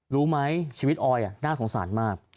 รู้ไหมชีวิตออยน่าสงสารมาก